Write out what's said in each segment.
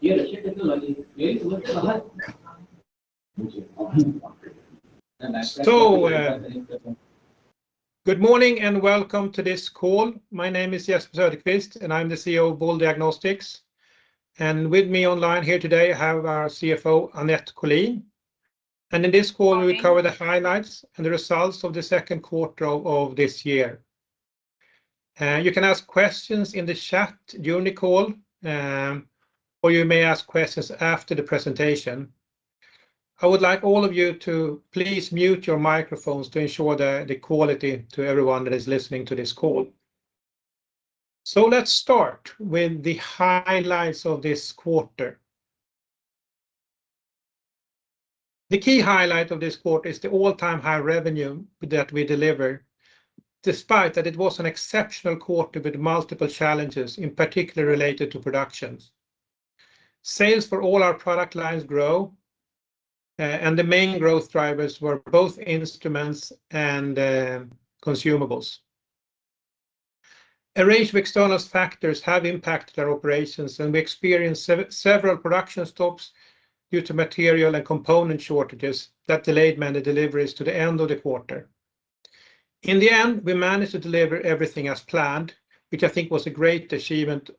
Good morning and welcome to this call. My name is Jesper Söderqvist, and I'm the CEO of Boule Diagnostics. With me online here today, I have our CFO, Annette Colin. In this call, we cover the highlights and the results of the second quarter of this year. You can ask questions in the chat during the call, or you may ask questions after the presentation. I would like all of you to please mute your microphones to ensure the quality to everyone that is listening to this call. Let's start with the highlights of this quarter. The key highlight of this quarter is the all-time high revenue that we delivered, despite that it was an exceptional quarter with multiple challenges, in particular related to productions. Sales for all our product lines grow, and the main growth drivers were both instruments and consumables. A range of external factors have impacted our operations, and we experienced several production stops due to material and component shortages that delayed many deliveries to the end of the quarter. In the end, we managed to deliver everything as planned, which I think was a great achievement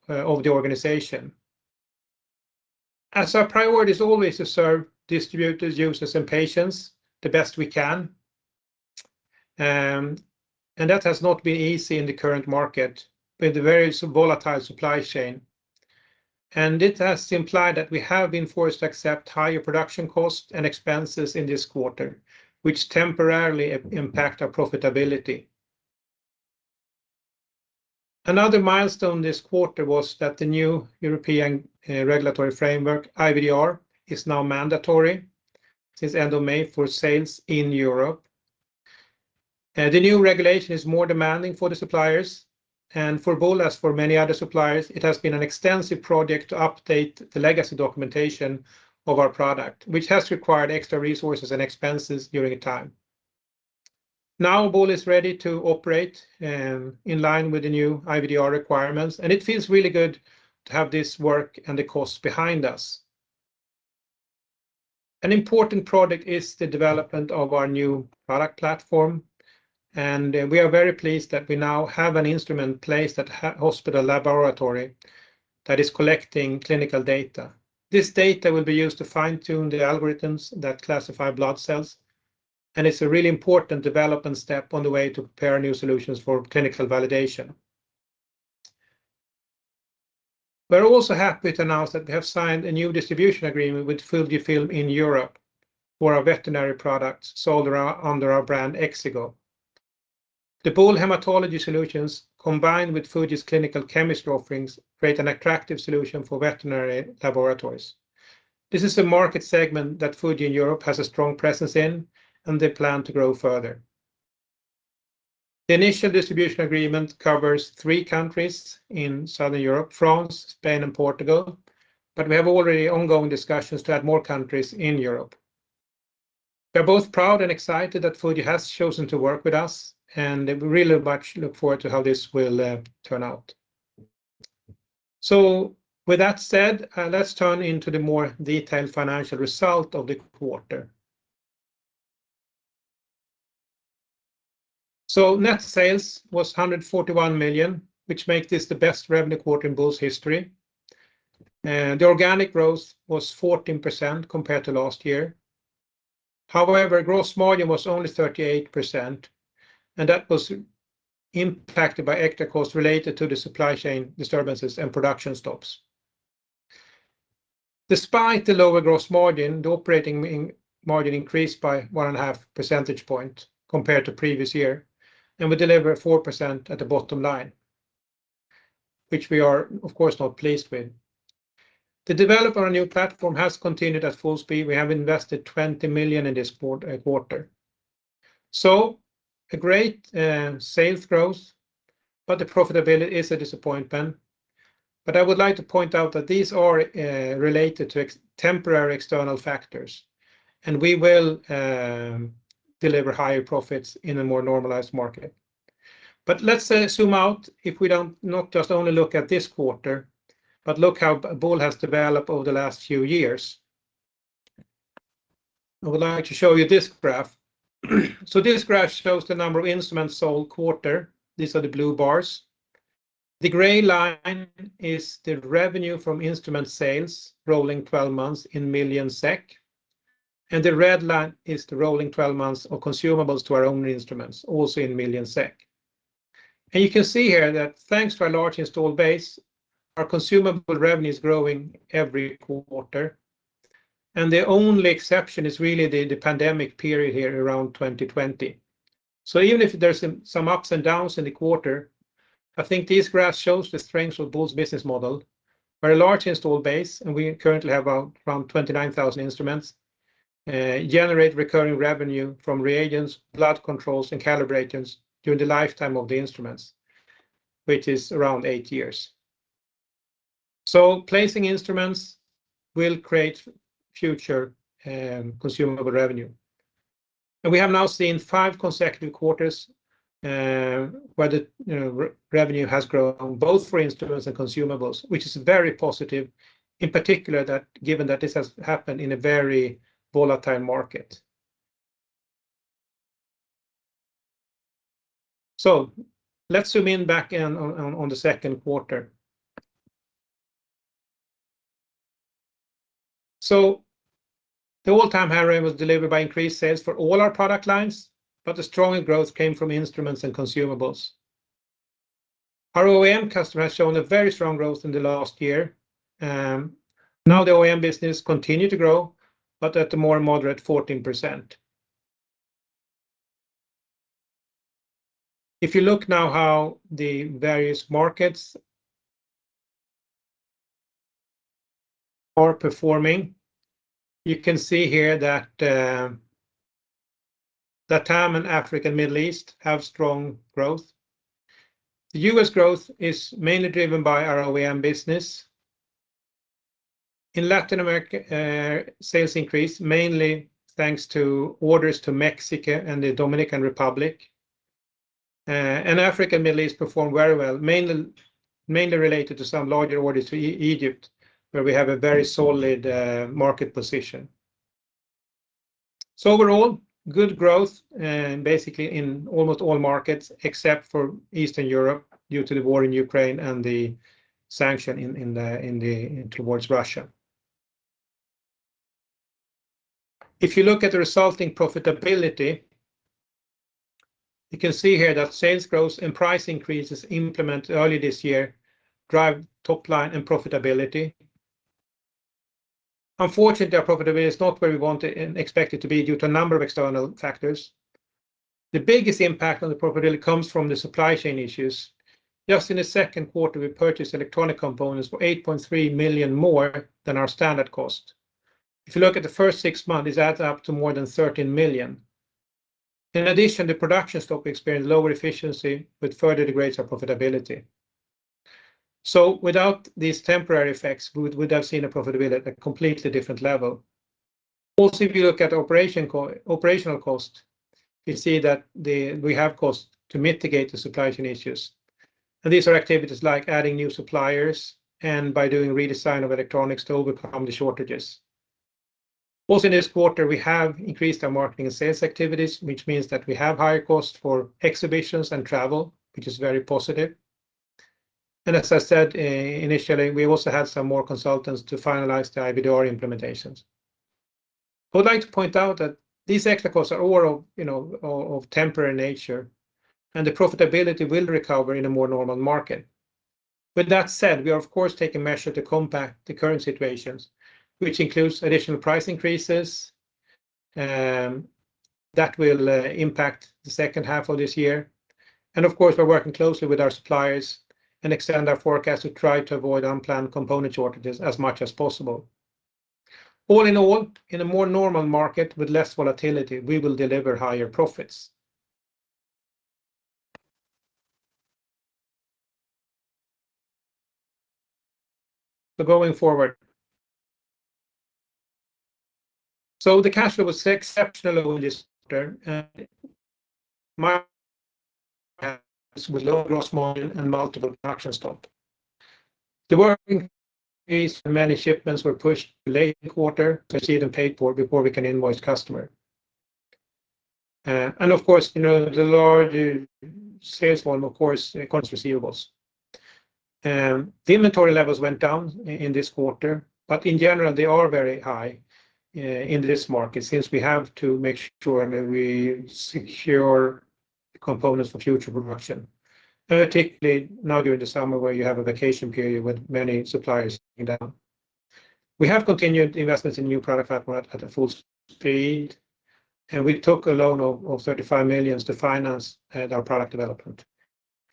of the organization, as our priority is always to serve distributors, users, and patients the best we can. That has not been easy in the current market with the very volatile supply chain, and it has implied that we have been forced to accept higher production costs and expenses in this quarter, which temporarily impact our profitability. Another milestone this quarter was that the new European regulatory framework, IVDR, is now mandatory since end of May for sales in Europe. The new regulation is more demanding for the suppliers and for Boule, as for many other suppliers, it has been an extensive project to update the legacy documentation of our product, which has required extra resources and expenses during the time. Now, Boule is ready to operate in line with the new IVDR requirements, and it feels really good to have this work and the costs behind us. An important project is the development of our new product platform, and we are very pleased that we now have an instrument placed at hospital laboratory that is collecting clinical data. This data will be used to fine-tune the algorithms that classify blood cells, and it's a really important development step on the way to prepare new solutions for clinical validation. We're also happy to announce that we have signed a new distribution agreement with Fujifilm in Europe for our veterinary products sold under our brand Exigo. The Boule hematology solutions, combined with Fuji's clinical chemistry offerings, create an attractive solution for veterinary laboratories. This is a market segment that Fuji in Europe has a strong presence in, and they plan to grow further. The initial distribution agreement covers three countries in Southern Europe, France, Spain, and Portugal, but we have already ongoing discussions to add more countries in Europe. We're both proud and excited that Fuji has chosen to work with us, and we really much look forward to how this will turn out. With that said, let's turn to the more detailed financial result of the quarter. Net sales was 141 million, which make this the best revenue quarter in Boule's history. The organic growth was 14% compared to last year. However, gross margin was only 38%, and that was impacted by extra costs related to the supply chain disturbances and production stops. Despite the lower gross margin, the operating margin increased by 1.5 percentage points compared to previous year, and we deliver 4% at the bottom line, which we are, of course, not pleased with. The development of our new platform has continued at full speed. We have invested 20 million in this quarter. A great sales growth, but the profitability is a disappointment. I would like to point out that these are related to extraordinary external factors, and we will deliver higher profits in a more normalized market. Let's zoom out if we do not just look at this quarter, but look how Boule has developed over the last few years. I would like to show you this graph. This graph shows the number of instruments sold quarter. These are the blue bars. The gray line is the revenue from instrument sales rolling 12 months in millions SEK, and the red line is the rolling 12 months of consumables to our own instruments, also in millions SEK. You can see here that thanks to our large installed base, our consumable revenue is growing every quarter, and the only exception is really the pandemic period here around 2020. Even if there's some ups and downs in the quarter, I think this graph shows the strength of Boule's business model. Our large installed base, and we currently have around 29,000 instruments generate recurring revenue from reagents, blood controls, and calibrations during the lifetime of the instruments, which is around eight years. Placing instruments will create future consumable revenue. We have now seen five consecutive quarters where the you know revenue has grown both for instruments and consumables, which is very positive in particular that, given that this has happened in a very volatile market. Let's zoom in back in on the second quarter. The all-time high was delivered by increased sales for all our product lines, but the strongest growth came from instruments and consumables. Our OEM customer has shown a very strong growth in the last year. Now the OEM business continue to grow, but at a more moderate 14%. If you look now how the various markets are performing, you can see here that LATAM and Africa and Middle East have strong growth. The US growth is mainly driven by our OEM business. In Latin America, sales increase mainly thanks to orders to Mexico and the Dominican Republic. Africa and Middle East performed very well, mainly related to some larger orders to Egypt, where we have a very solid market position. Overall, good growth basically in almost all markets except for Eastern Europe due to the war in Ukraine and the sanctions towards Russia. If you look at the resulting profitability, you can see here that sales growth and price increases implemented early this year drive top line and profitability. Unfortunately, our profitability is not where we want it and expect it to be due to a number of external factors. The biggest impact on the profitability comes from the supply chain issues. Just in the second quarter, we purchased electronic components for 8.3 million more than our standard cost. If you look at the first six months, this adds up to more than 13 million. In addition, the production scope experienced lower efficiency, which further degrades our profitability. Without these temporary effects, we would have seen a profitability at a completely different level. Also, if you look at operational cost, you see that we have cost to mitigate the supply chain issues. These are activities like adding new suppliers and by doing redesign of electronics to overcome the shortages. In this quarter, we have increased our marketing and sales activities, which means that we have higher costs for exhibitions and travel, which is very positive. As I said, initially, we also had some more consultants to finalize the IVDR implementations. I would like to point out that these extra costs are all of you know temporary nature, and the profitability will recover in a more normal market. With that said, we are of course taking measures to combat the current situations, which includes additional price increases that will impact the second half of this year. Of course, we're working closely with our suppliers and extend our forecast to try to avoid unplanned component shortages as much as possible. All in all, in a more normal market with less volatility, we will deliver higher profits. Going forward. The cash flow was exceptional in this quarter, with low gross margin and multiple production stops. The working capital, many shipments were pushed late in the quarter to be received and paid for before we can invoice customer. And of course, you know, the larger sales volume, of course, accounts receivable. The inventory levels went down in this quarter, but in general, they are very high in this market since we have to make sure that we secure components for future production, particularly now during the summer where you have a vacation period with many suppliers down. We have continued investments in new product development at full speed, and we took a loan of 35 million to finance our product development.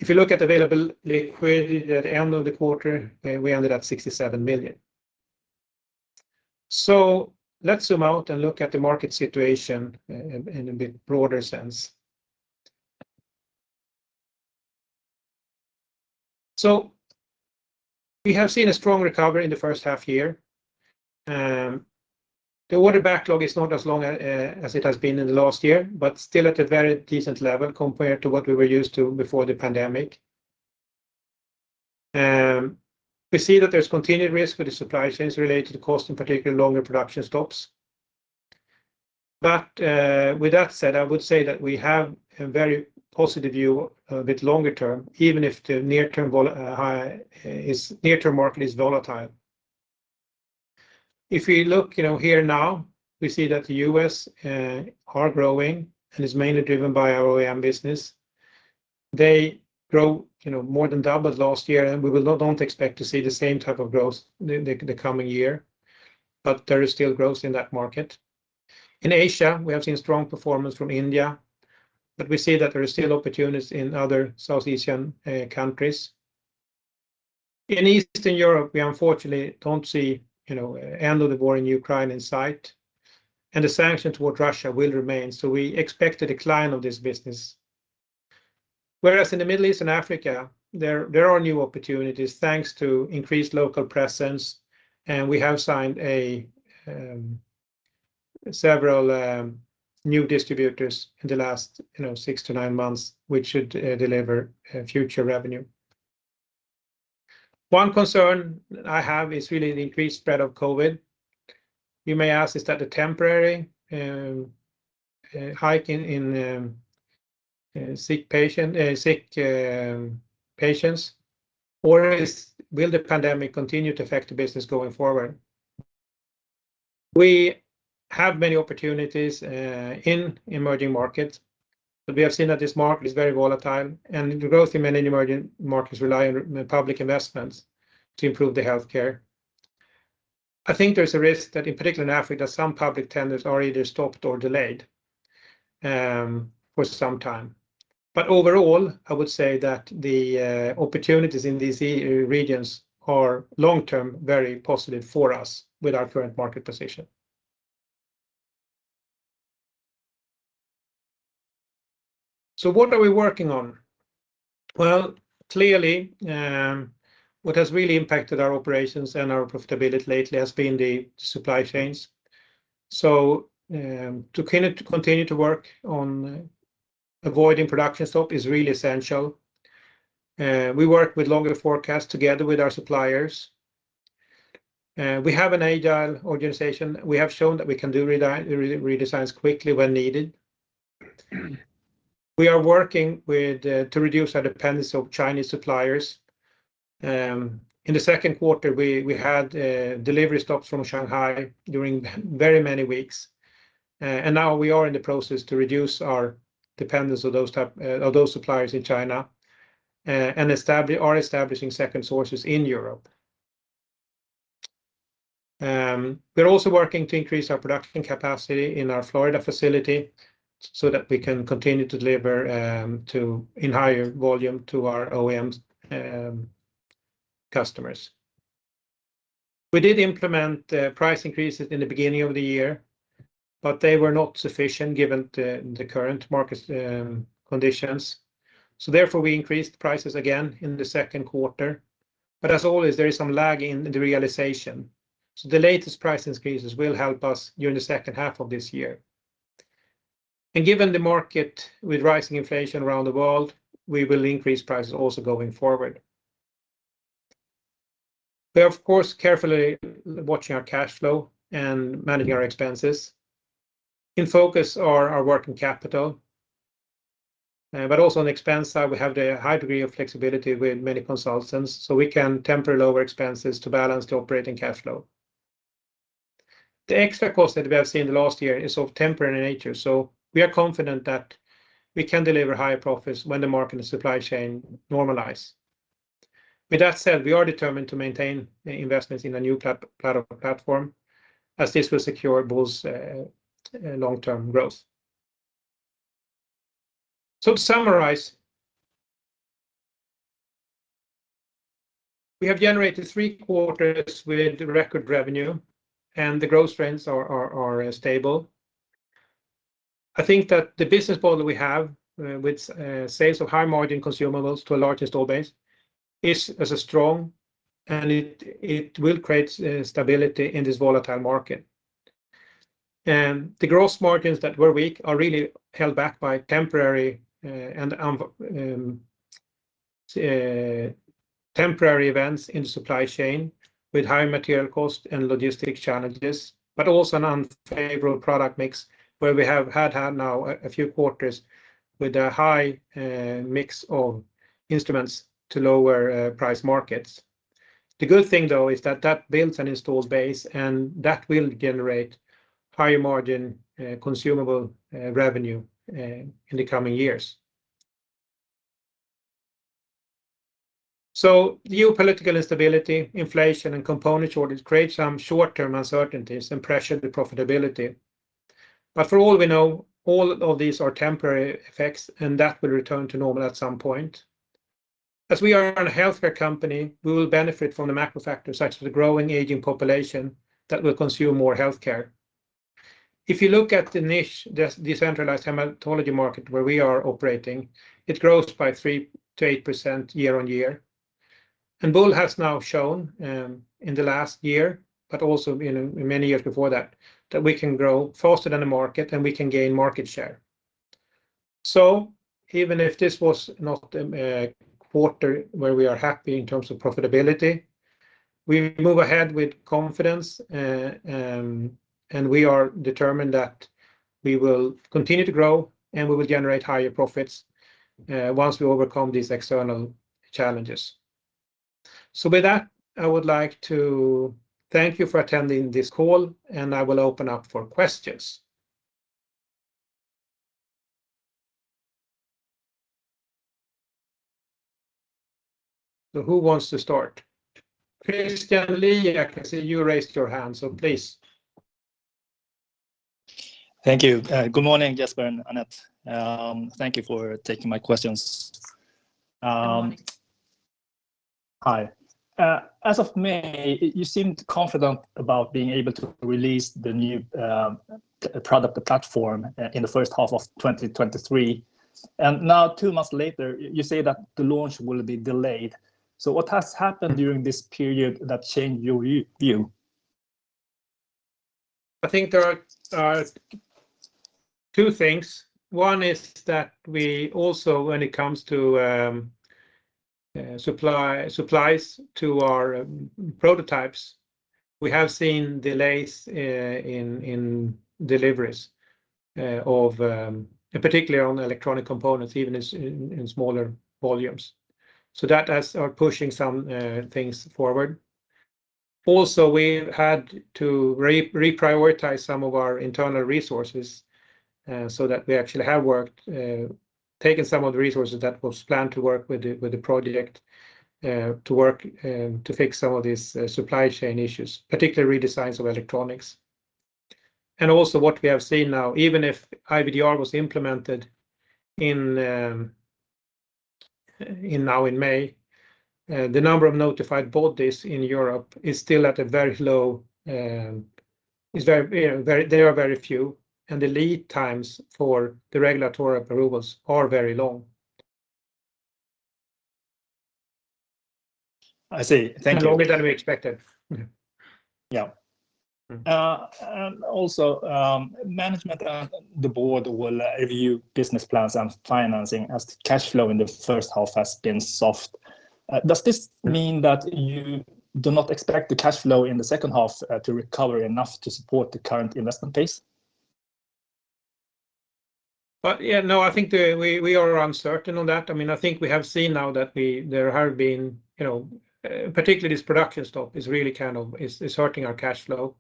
If you look at available liquidity at the end of the quarter, we ended at 67 million. Let's zoom out and look at the market situation in a bit broader sense. We have seen a strong recovery in the first half year. The order backlog is not as long as it has been in the last year, but still at a very decent level compared to what we were used to before the pandemic. We see that there's continued risk with the supply chains related to cost, in particular, longer production stops. With that said, I would say that we have a very positive view a bit longer term, even if the near-term market is volatile. If we look, you know, here now, we see that the U.S. are growing and is mainly driven by our OEM business. They grow, you know, more than double last year, and we don't expect to see the same type of growth the coming year, but there is still growth in that market. In Asia, we have seen strong performance from India, but we see that there are still opportunities in other South Asian countries. In Eastern Europe, we unfortunately don't see, you know, end of the war in Ukraine in sight, and the sanctions toward Russia will remain, so we expect a decline of this business, whereas in the Middle East and Africa, there are new opportunities thanks to increased local presence, and we have signed several new distributors in the last, you know, 6-9 months, which should deliver future revenue. One concern I have is really the increased spread of COVID. You may ask, is that a temporary hike in sick patients, or will the pandemic continue to affect the business going forward? We have many opportunities in emerging markets, but we have seen that this market is very volatile, and the growth in many emerging markets rely on public investments to improve the healthcare. I think there's a risk that, in particular in Africa, some public tenders are either stopped or delayed for some time. Overall, I would say that the opportunities in these regions are long-term very positive for us with our current market position. What are we working on? Well, clearly, what has really impacted our operations and our profitability lately has been the supply chains. To continue to work on avoiding production stop is really essential. We work with longer forecasts together with our suppliers. We have an agile organization. We have shown that we can do redesigns quickly when needed. We are working to reduce our dependence on Chinese suppliers. In the second quarter, we had delivery stops from Shanghai during very many weeks, and now we are in the process to reduce our dependence on those types of suppliers in China and establishing second sources in Europe. We're also working to increase our production capacity in our Florida facility so that we can continue to deliver in higher volume to our OEM customers. We did implement price increases in the beginning of the year, but they were not sufficient given the current market conditions, so therefore, we increased prices again in the second quarter. As always, there is some lag in the realization, so the latest price increases will help us during the second half of this year. Given the market with rising inflation around the world, we will increase prices also going forward. We are, of course, carefully watching our cash flow and managing our expenses. In focus are our working capital, but also on the expense side, we have the high degree of flexibility with many consultants, so we can temporarily lower expenses to balance the operating cash flow. The extra cost that we have seen in the last year is of temporary nature, so we are confident that we can deliver higher profits when the market and supply chain normalize. With that said, we are determined to maintain investments in the new platform, as this will secure Boule's long-term growth. To summarize, we have generated three quarters with record revenue, and the growth trends are stable. I think that the business model we have with sales of high-margin consumables to a large installed base is strong, and it will create stability in this volatile market. The gross margins that were weak are really held back by temporary events in the supply chain with high material cost and logistics challenges but also an unfavorable product mix where we have had now a few quarters with a high mix of instruments to lower price markets. The good thing, though, is that that builds an installed base, and that will generate higher-margin consumable revenue in the coming years. The geopolitical instability, inflation, and component shortage create some short-term uncertainties and pressure the profitability. For all we know, all of these are temporary effects, and that will return to normal at some point. As we are a healthcare company, we will benefit from the macro factors such as the growing aging population that will consume more healthcare. If you look at the niche, the decentralized hematology market where we are operating, it grows by 3%-8% year-on-year. Boule has now shown, in the last year but also in many years before that we can grow faster than the market and we can gain market share. Even if this was not a quarter where we are happy in terms of profitability, we move ahead with confidence, and we are determined that we will continue to grow and we will generate higher profits once we overcome these external challenges. With that, I would like to thank you for attending this call, and I will open up for questions. Who wants to start? Christian Lee, I can see you raised your hand, so please. Thank you. Good morning, Jesper and Annette. Thank you for taking my questions. Hi. As of May, you seemed confident about being able to release the new, the product, the platform in the first half of 2023, and now two months later, you say that the launch will be delayed. What has happened during this period that changed your view? I think there are two things. One is that we also, when it comes to supplies to our prototypes, we have seen delays in deliveries of and particularly on electronic components, even in smaller volumes. That are pushing some things forward. Also, we've had to reprioritize some of our internal resources, so that we actually have taken some of the resources that was planned to work with the project to fix some of these supply chain issues, particularly redesigns of electronics. Also what we have seen now, even if IVDR was implemented in May, the number of notified bodies in Europe is still very low, you know, there are very few, and the lead times for the regulatory approvals are very long. I see. Thank you. Longer than we expected. Yeah. Management and the board will review business plans and financing as the cash flow in the first half has been soft. Does this mean that you do not expect the cash flow in the second half to recover enough to support the current investment pace? Yeah, no, I think we are uncertain on that. I mean, I think we have seen now that there have been, you know, particularly this production stop is really hurting our cash flow.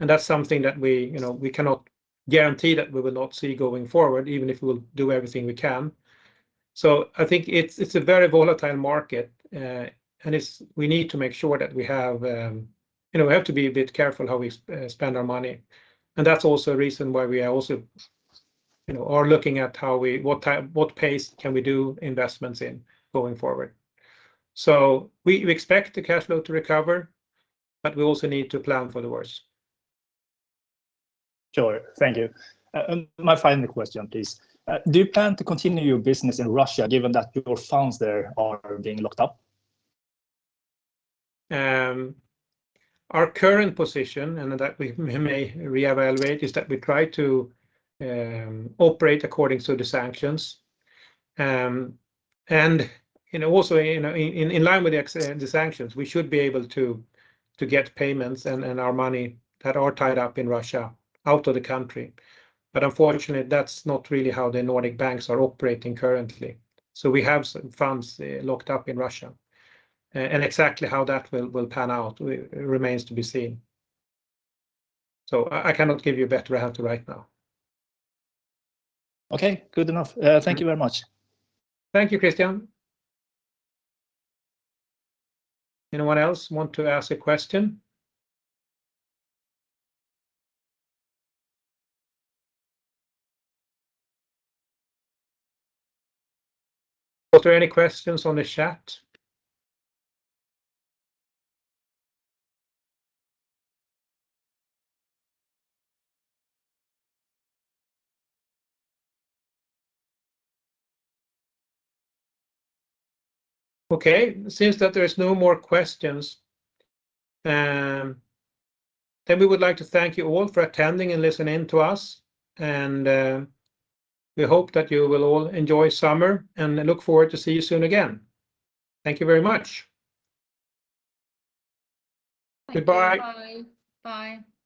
That's something that, you know, we cannot guarantee that we will not see going forward, even if we will do everything we can. I think it's a very volatile market. We need to make sure that we have, you know, we have to be a bit careful how we spend our money. That's also a reason why we are, you know, looking at what pace we can do investments in going forward. We expect the cash flow to recover, but we also need to plan for the worst. Sure. Thank you. My final question, please. Do you plan to continue your business in Russia given that your funds there are being locked up? Our current position, and that we may reevaluate, is that we try to operate according to the sanctions. You know, also in line with the sanctions, we should be able to get payments and our money that are tied up in Russia out of the country. Unfortunately, that's not really how the Nordic banks are operating currently. We have some funds locked up in Russia. Exactly how that will pan out remains to be seen. I cannot give you a better answer right now. Okay. Good enough. Thank you very much. Thank you, Christina. Anyone else want to ask a question? Was there any questions on the chat? Okay. Since that there is no more questions, then we would like to thank you all for attending and listening to us. We hope that you will all enjoy summer and look forward to see you soon again. Thank you very much. Goodbye. Thank you. Bye. Bye.